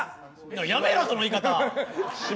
やめろ、その言い方！